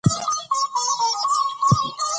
لفروی د جین د مینې لومړی کس و.